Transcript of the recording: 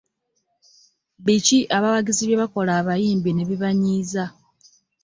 Biki abawagizi bye bakola abayimbi ne bibanyiza?